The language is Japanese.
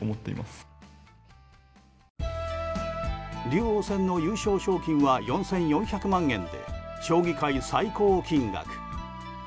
竜王戦の優勝賞金は４４００万円で将棋界最高金額。